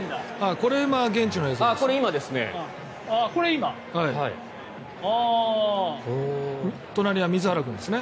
これ今、現地の映像ですね。